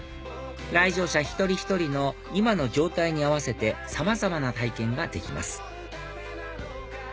来場者一人一人の今の状態に合わせてさまざまな体験ができます